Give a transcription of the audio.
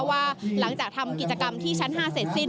ว่าหลังจากทำกิจกรรมที่ชั้น๕เสร็จสิ้น